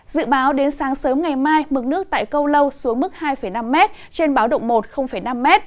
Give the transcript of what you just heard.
dự báo đến sáng sớm ngày mai mực nước tại câu lâu xuống mức hai năm m trên báo động một năm m